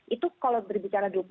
itu kalau berbicara dua puluh lima